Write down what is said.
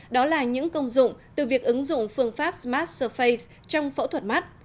đó là những công dụng từ việc ứng dụng phương pháp smart surface trong phẫu thuật mắt